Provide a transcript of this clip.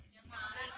yang mana itu